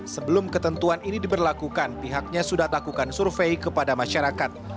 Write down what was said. sebelum ketentuan ini diberlakukan pihaknya sudah lakukan survei kepada masyarakat